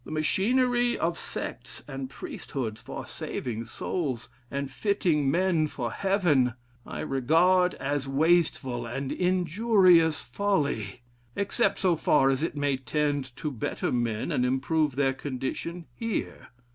The machinery of sects and priesthoods for saving souls and fitting men for heaven, I regard as wasteful and injurious folly, except so far as it may tend to better men and improve their condition here.